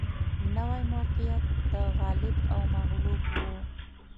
نوي موقعیت د غالب او مغلوب و